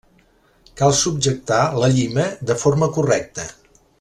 Cal subjectar la llima de forma correcta.